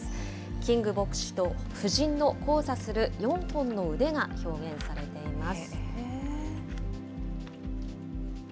キング牧師と夫人の交差する４本の腕が表現されています。